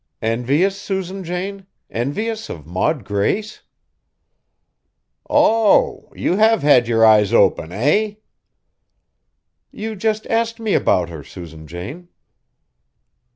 "Envious, Susan Jane, envious of Maud Grace?" "Oh! you have had yer eyes open, eh?" "You just asked me about her, Susan Jane."